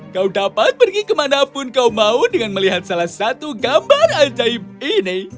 kau dapat pergi kemanapun kau mau dengan melihat salah satu gambar ajaib ini